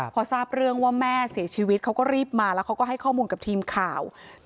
พอทราบเรื่องว่าแม่เสียชีวิตเขามันรีบมาแล้วก็อธิบายพิมพ์ความเข้าใจ